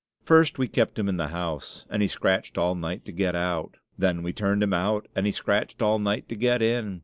First, we kept him in the house, and he scratched all night to get out. Then we turned him out, and he scratched all night to get in.